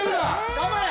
頑張れ！